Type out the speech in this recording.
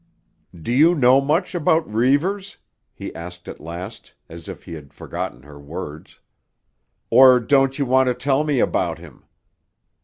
"Do you know much about Reivers?" he asked at last, as if he had forgotten her words. "Or don't you want to tell me about him?"